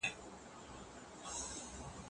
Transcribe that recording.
که کار په حوصلي سره وسي نو پایله به یې ښه وي.